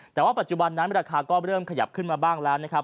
แต่ว่าปัจจุบันนั้นราคาก็เริ่มขยับขึ้นมาบ้างแล้วนะครับ